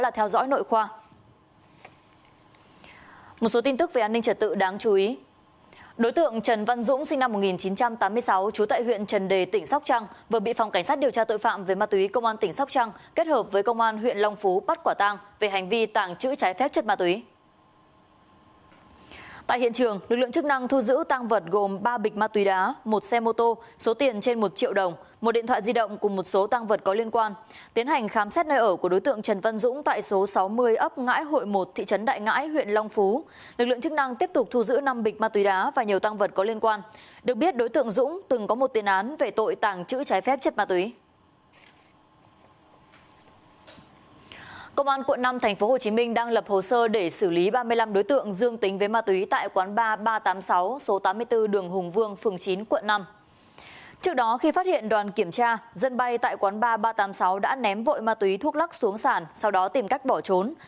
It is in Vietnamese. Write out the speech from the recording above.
trước đó khi phát hiện đoàn kiểm tra dân bay tại quán ba ba trăm tám mươi sáu đã ném vội ma túy thuốc lắc xuống sàn sau đó tìm cách bỏ trốn